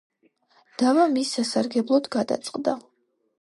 დავა მის სასარგებლოდ გადაწყდა.